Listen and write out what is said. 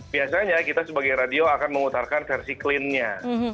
biasanya kita sebagai radio akan mengutarkan versi cleannya